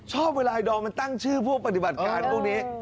เวลาไอดอมมันตั้งชื่อพวกปฏิบัติการพวกนี้